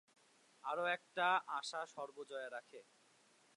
আরও একটা আশা সর্বজয়া রাখে।